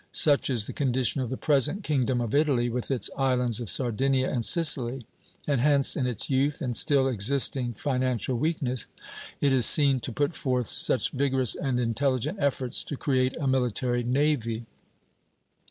Such is the condition of the present kingdom of Italy, with its islands of Sardinia and Sicily; and hence in its youth and still existing financial weakness it is seen to put forth such vigorous and intelligent efforts to create a military navy.